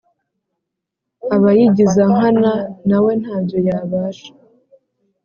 Abayigizankana nawe ntabyo yabasha